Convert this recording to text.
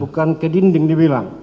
bukan ke dinding dibilang